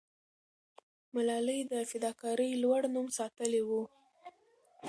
ملالۍ د فداکارۍ لوړ نوم ساتلې وو.